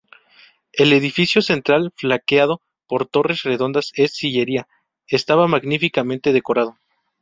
El edificio central, flanqueado por torres redondas en sillería, estaba magníficamente decorado.